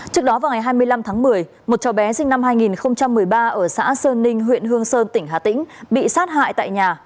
trước đó vào ngày hai mươi năm tháng một mươi một cháu bé sinh năm hai nghìn một mươi ba ở xã sơn ninh huyện hương sơn tỉnh hà tĩnh bị sát hại tại nhà